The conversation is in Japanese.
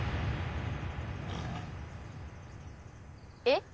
え？